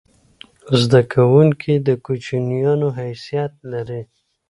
زده کوونکی د کوچنیانو حیثیت لري.